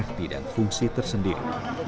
arti dan fungsi tersendiri